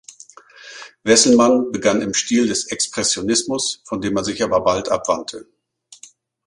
Wesselmann begann im Stil des Expressionismus, von dem er sich aber bald abwandte.